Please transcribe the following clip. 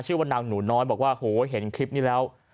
ชื่อว่านางหนูน้อยบอกว่าโหเห็นคลิปนี้แล้ว